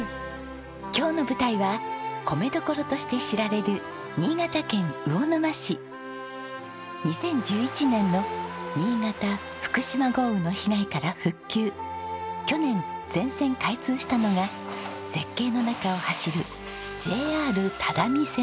今日の舞台は米どころとして知られる２０１１年の新潟・福島豪雨の被害から復旧去年全線開通したのが絶景の中を走るＪＲ只見線です。